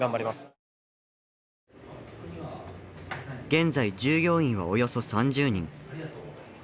現在従業員はおよそ３０人。